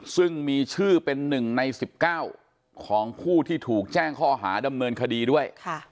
ซึ่งมีชื่อเป็น๑ใน๑๙ของผู้ที่ถูกแจ้งข้อหาดำเนินคดีด้วย